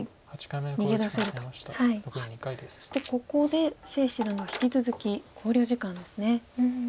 そしてここで謝七段が引き続き考慮時間ですね。